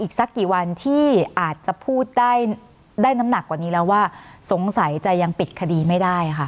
สักกี่วันที่อาจจะพูดได้น้ำหนักกว่านี้แล้วว่าสงสัยจะยังปิดคดีไม่ได้ค่ะ